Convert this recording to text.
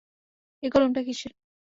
এই কলামটা কীসের?